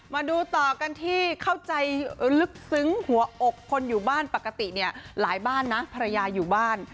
มาดูต่อกันที่เข้าใจลึกซึ้งหัวอกคนอยู่บ้านปกติเนี่ยหลายบ้านนะภรรยาอยู่บ้าน